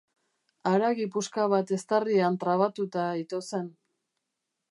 Haragi puska bat eztarrian trabatuta ito zen.